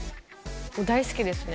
大好きですね。